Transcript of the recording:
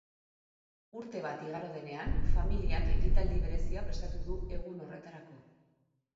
Urte bat igaro denean, familiak ekitaldi berezia prestatu du egun horretarako.